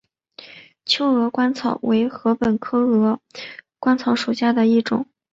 秋鹅观草为禾本科鹅观草属下的一个种。